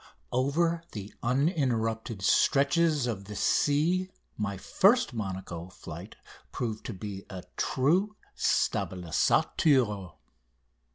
Over the uninterrupted stretches of the sea my first Monaco flight proved it to be a true stabilisateur.